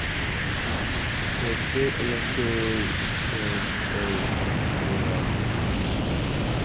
He was first elected Sheriff of Sierra county.